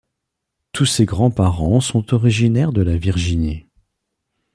Tous ses grands-parents sont originaires de la Virginie.